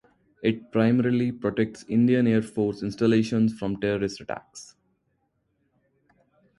It primarily protects Indian Air Force installations from terrorist attacks.